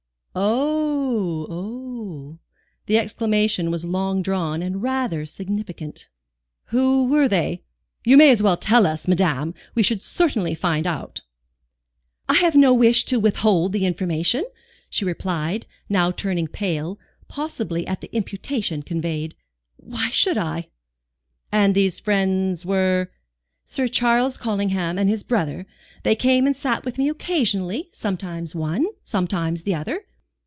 "Oh oh" the exclamation was long drawn and rather significant. "Who were they? You may as well tell us, madame, we should certainly find out." "I have no wish to withhold the information," she replied, now turning pale, possibly at the imputation conveyed. "Why should I?" "And these friends were ?" "Sir Charles Collingham and his brother. They came and sat with me occasionally; sometimes one, sometimes the other."